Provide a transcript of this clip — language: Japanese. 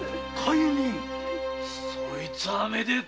そいつはめでてぇ！